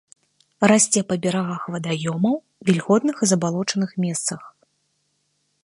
Расце па берагах вадаёмаў, вільготных і забалочаных месцах.